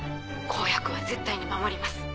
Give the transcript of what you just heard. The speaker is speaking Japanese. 公約は絶対に守ります。